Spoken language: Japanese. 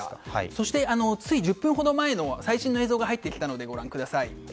そして、つい１０分ほど前の最新の映像が入ってきたのでご覧ください。